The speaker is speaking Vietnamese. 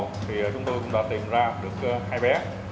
chúng tôi cũng đã tìm ra được hai bé